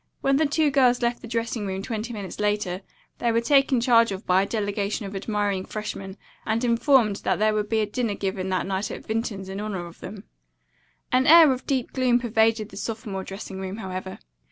When the two girls left the dressing room twenty minutes later, they were taken charge of by a delegation of admiring freshmen and informed that there would be a dinner given that night at Vinton's in honor of them. An air of deep gloom pervaded the sophomore dressing room, however.